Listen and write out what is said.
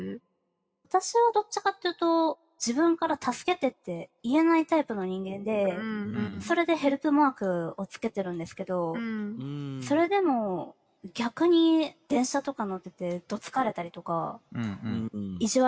私はどっちかっていうと自分から助けてって言えないタイプの人間でそれでヘルプマークを着けてるんですけどそれでも逆に電車とか乗っててどつかれたりとか意地悪してくる人とかもいて。